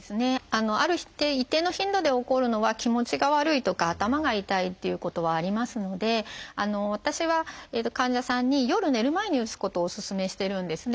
ある一定の頻度で起こるのは気持ちが悪いとか頭が痛いっていうことはありますので私は患者さんに夜寝る前に打つことをお勧めしてるんですね。